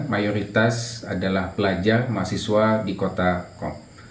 mayoritas adalah pelajar mahasiswa di kota kong